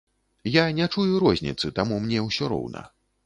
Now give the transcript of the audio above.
Я не чую розніцы, таму мне ўсё роўна.